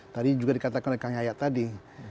tadi juga dikatakan oleh kang yayat tadi